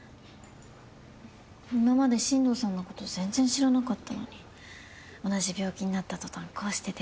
今まで進藤さんのこと全然知らなかったのに同じ病気になった途端こうして出会うなんて。